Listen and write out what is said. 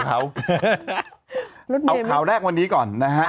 เอาข่าวแรกวันนี้ก่อนนะฮะ